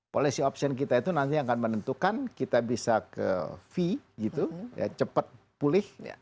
policy option kita itu nanti akan menentukan kita bisa ke fee gitu ya cepat pulih